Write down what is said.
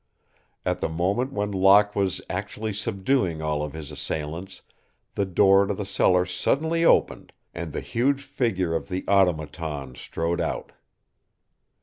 At the moment when Locke was actually subduing all of his assailants the door to the cellar suddenly opened and the huge figure of the Automaton strode out.